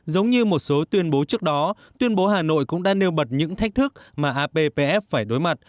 giống như một số tuyên bố trước đó tuyên bố hà nội cũng đã nêu bật những thách thức mà appf phải đối mặt